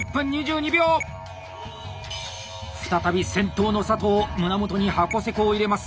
再び先頭の佐藤胸元に筥迫を入れます。